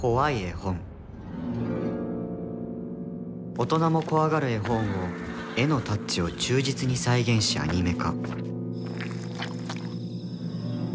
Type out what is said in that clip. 大人も怖がる絵本を絵のタッチを忠実に再現しアニメ化。